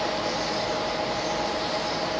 ต้องเติมเนี่ย